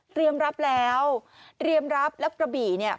รับแล้วเตรียมรับแล้วกระบี่เนี่ย